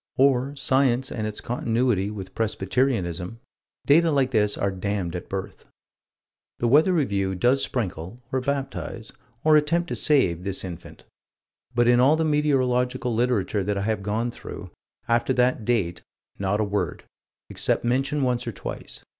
Or Science and its continuity with Presbyterianism data like this are damned at birth. The Weather Review does sprinkle, or baptize, or attempt to save, this infant but in all the meteorological literature that I have gone through, after that date not a word, except mention once or twice.